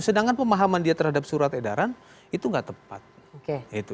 sedangkan pemahaman dia terhadap surat edaran itu nggak tepat